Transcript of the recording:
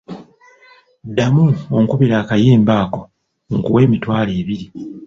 Ddamu onkubire akayimba ako nkuwe emitwalo ebiri.